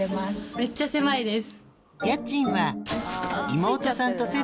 めっちゃ狭いです。